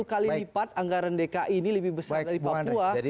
sepuluh kali lipat anggaran dki ini lebih besar dari papua